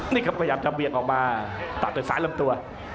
นี่ครับพยายามจะเบียดออกมาตัดด้วยซ้ายลำตัว